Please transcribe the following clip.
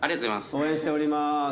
応援しております。